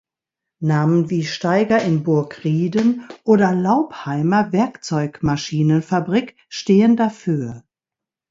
Namen wie Steiger in Burgrieden oder Laupheimer Werkzeugmaschinenfabrik stehen dafür.